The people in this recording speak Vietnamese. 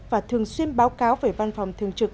và thường xuyên báo cáo về văn phòng thường trực